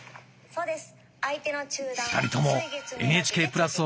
そうです。